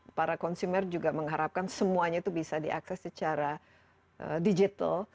dan juga para konsumen juga mengharapkan semuanya itu bisa diakses secara digital